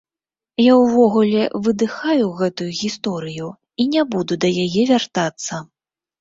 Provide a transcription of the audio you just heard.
Я ўвогуле выдыхаю гэтую гісторыю і не буду да яе вяртацца.